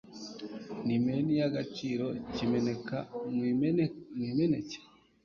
Ni Main y'agaciro kiboneka mu Imineke?